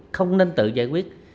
không nên tự giải quyết